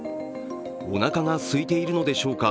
おなかがすいているのでしょうか